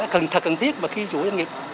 là thật cần thiết và khi chủ doanh nghiệp